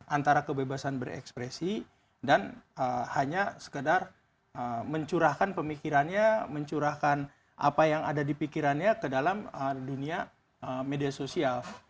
antara kebebasan berekspresi dan hanya sekedar mencurahkan pemikirannya mencurahkan apa yang ada di pikirannya ke dalam dunia media sosial